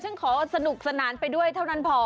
ซึ่งขอสนุกสนานไปด้วยเท่านั้นพอ